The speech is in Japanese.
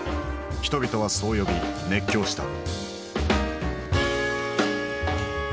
人々はそう呼び熱狂した。